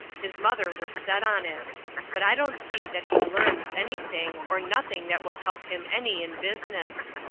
His mother was set on it. But I don't see that he learns anything, or nothing that will help him any in business.